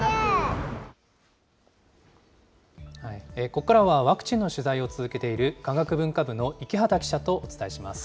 ここからはワクチンの取材を続けている、科学文化部の池端記者とお伝えします。